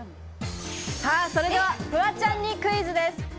それではフワちゃんにクイズです。